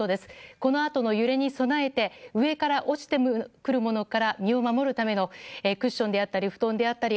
このあとの揺れに備えて上から落ちてくるものから身を守るためのクッションであったり布団であったり